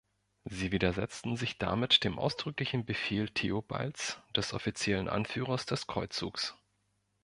Sie widersetzten sich damit dem ausdrücklichen Befehl Theobalds, des offiziellen Anführers des Kreuzzugs.